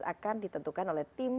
akan ditentukan oleh tim